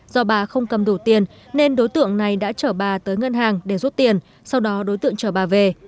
do bà không cầm đủ tiền nên đối tượng này đã chở bà tới ngân hàng để rút tiền sau đó đối tượng chở bà về